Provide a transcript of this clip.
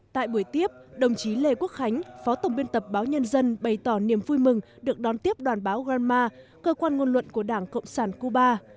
tại buổi tiếp đồng chí lê quốc khánh phó tổng biên tập báo nhân dân bày tỏ niềm vui mừng được đón tiếp đoàn báo granma cơ quan ngôn luận của đảng cộng sản cuba